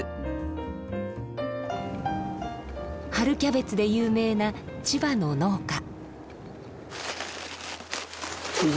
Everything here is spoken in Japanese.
春キャベツで有名な千葉の農家。